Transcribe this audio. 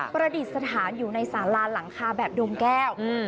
ประดิษฐานอยู่ในสาราหลังคาแบบดงแก้ว